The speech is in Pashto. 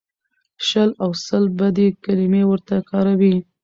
شل او سل بدې کلمې ورته کاروي.